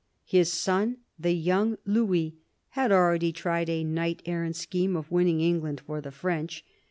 His son, the young Louis, had already tried a knight errant scheme of winning England for the French.